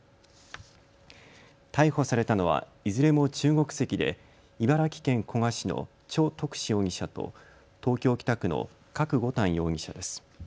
逮捕されたのはいずれも中国籍で茨城県古河市のちょ徳志容疑者と東京北区の郭五端容疑者です。